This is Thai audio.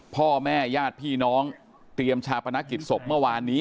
พ่อแม่ญาติพี่น้องเตรียมชาปนกิจศพเมื่อวานนี้